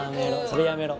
それやめろ。